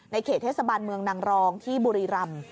เขตเทศบาลเมืองนางรองที่บุรีรำ